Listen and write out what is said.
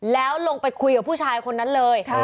แล้วลงไปคุยกับผู้ชายคนนั้นเลย